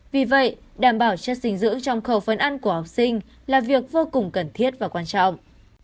vì vậy đảm bảo chất dinh dưỡng trong khẩu phân ăn của học sinh là việc vô cùng cần thiết và quan trọng